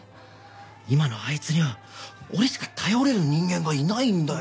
今のあいつには俺しか頼れる人間がいないんだよ。